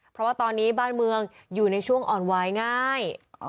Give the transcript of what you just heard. เพราะว่าตอนนี้บ้านเมืองอยู่ในช่วงอ่อนวายง่าย